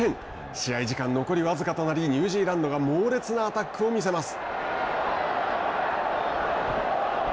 試合時間、残り僅かとなりニュージーランドが猛烈なアタックを見せます。